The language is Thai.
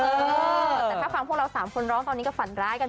เออแต่ถ้าฟังพวกเรา๓คนร้องตอนนี้ก็ฝันร้ายกัน